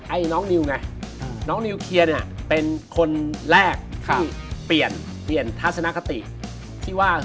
ไอ้น้องนิวไงน้องนิวเคลียร์เนี่ยเป็นคนแรกที่เปลี่ยนเปลี่ยนทัศนคติที่ว่า